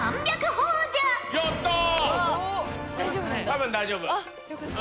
多分大丈夫。